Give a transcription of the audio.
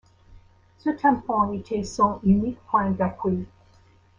Ce tampon était son unique point d’appui.